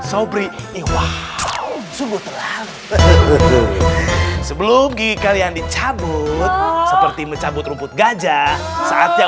sobri iwa sungguh terlalu sebelum gigi kalian dicabut seperti mencabut rumput gajah saatnya